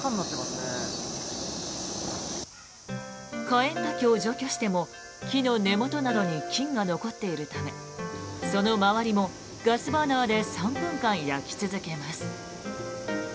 カエンタケを除去しても木の根元などに菌が残っているためその周りもガスバーナーで３分間焼き続けます。